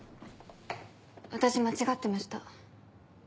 私間違ってました。